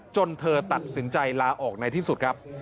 เธอตัดสินใจลาออกในที่สุดครับ